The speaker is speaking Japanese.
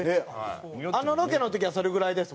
あのロケの時はそれぐらいですもんね。